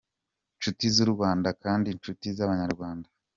Nshuti z’u Rwanda kandi nshuti z’abanyarwanda,